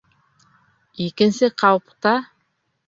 Икенсе ҡауҡбта?